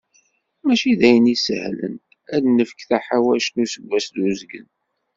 Mačči d ayen isehlen, ad d-nefk taḥawact n useggas d uzgen.